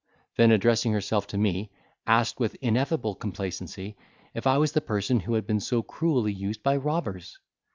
Then addressing herself to me, asked, with ineffable complacency, if I was the person who had been so cruelly used by robbers?